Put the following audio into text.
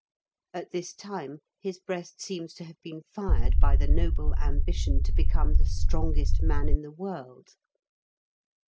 At this time his breast seems to have been fired by the noble ambition to become the strongest man in the world.